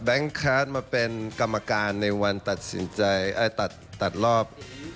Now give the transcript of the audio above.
แบงค์หรือครับแบงค์คาร์ดหรือครับแบงค์คาร์ดมาเป็นกรรมการในวันตัดรอบ